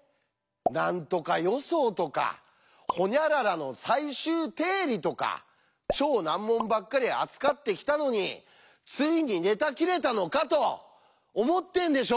「何とか予想とかほにゃららの最終定理とか超難問ばっかり扱ってきたのについにネタ切れたのか！」と思ってんでしょう？